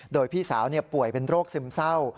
โดยพี่สาวป่วยเป็นโรคซึมเศร้า